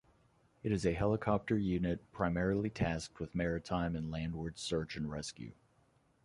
It is a helicopter unit primarily tasked with maritime and landward search and rescue.